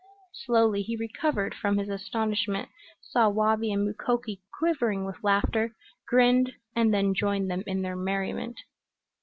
Slowly he recovered from his astonishment, saw Wabi and Mukoki quivering with laughter, grinned and then joined them in their merriment.